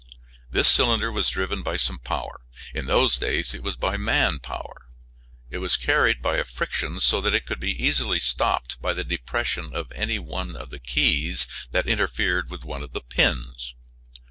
This cylinder was driven by some power. In those days it was by man power. It was carried by a friction, so that it could be easily stopped by the depression of any one of the keys that interfered with one of the pins.